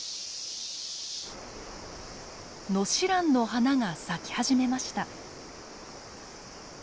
ノシランの花が咲き始めました。